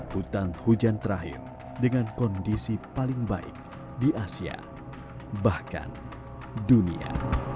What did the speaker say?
hutan hujan terakhir dengan kondisi paling baik di asia bahkan dunia